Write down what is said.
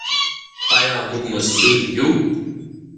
آیا موږ مسوول یو؟